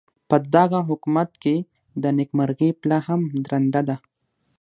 پدغه حکومت کې د نیکمرغۍ پله هم درنده ده.